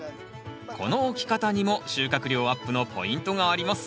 この置き方にも収穫量アップのポイントがあります